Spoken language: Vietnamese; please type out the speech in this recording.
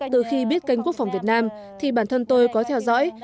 từ khi biết kênh quốc phòng việt nam thì bản thân tôi có theo dõi